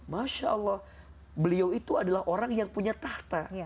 masya allah beliau itu adalah orang yang punya tahta